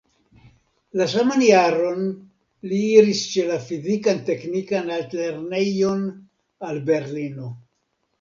La saman jaron li iris ĉe la Fizikan-teknikan altlernejon al Berlino.